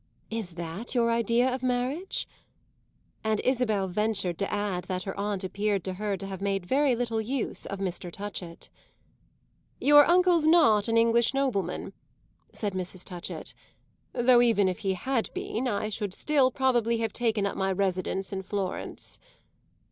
"Is that your idea of marriage?" And Isabel ventured to add that her aunt appeared to her to have made very little use of Mr. Touchett. "Your uncle's not an English nobleman," said Mrs. Touchett, "though even if he had been I should still probably have taken up my residence in Florence."